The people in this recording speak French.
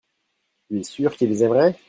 tu es sûr qu'ils aimeraient.